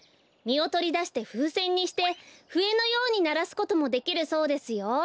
みをとりだしてふうせんにしてふえのようにならすこともできるそうですよ。